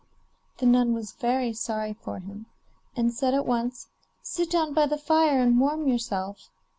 The nun was very sorry for him, and said at once: 'Sit down by the fire and warm yourself.